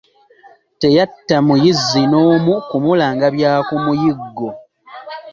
Teyatta muyizzi n'omu kumulanga bya ku muyiggo.